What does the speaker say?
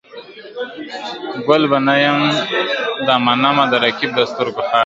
ګل به نه یم دا منمه، د رقیب د سترګو خاریم !.